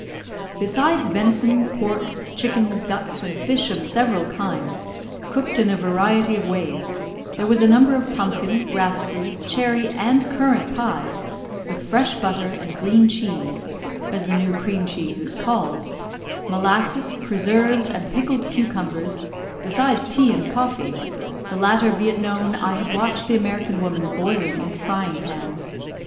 Besides venison, pork, chickens, ducks, and fish of several kinds, cooked in a variety of ways, there was a number of pumpkin, raspberry, cherry, and currant pies, with fresh butter and green cheese (as the new cream cheese is called), molasses, preserves, and pickled cucumbers, besides tea and coffee the latter, be it known, I had watched the American woman boiling in the frying pan.